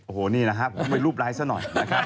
โอ้โหนี่นะครับผมไปรูปไลฟ์ซะหน่อยนะครับ